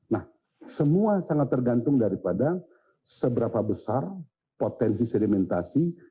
nah semua sangat tergantung daripada seberapa besar potensi sedimentasi